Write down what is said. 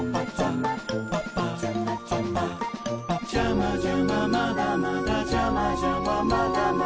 「ジャマジャマまだまだジャマジャマまだまだ」